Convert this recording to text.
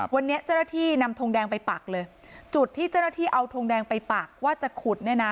วันนี้เจ้าหน้าที่นำทงแดงไปปักเลยจุดที่เจ้าหน้าที่เอาทงแดงไปปักว่าจะขุดเนี่ยนะ